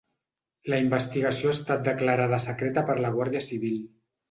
La investigació ha estat declarada secreta per la guàrdia civil.